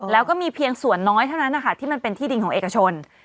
แล้วก็มีเพียงส่วนน้อยเท่านั้นนะคะที่มันเป็นที่ดินของเอกชน